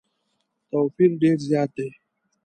توپیر ډېر زیات دی.